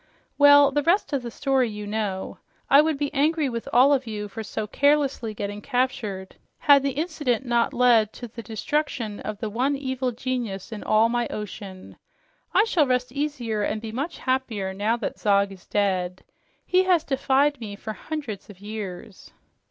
Well, the rest of the story you know. I would be angry with all of you for so carelessly getting captured, had the incident not led to the destruction of the one evil genius in all my ocean. I shall rest easier and be much happier now that Zog is dead. He has defied me for hundreds of years."